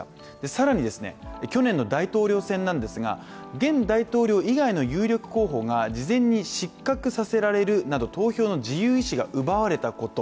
更に去年の大統領選ですが現大統領以外の有力候補が事前に失格させられるという投票の自由意思が奪われたこと。